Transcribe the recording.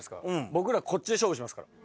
僕らこっちで勝負しますから。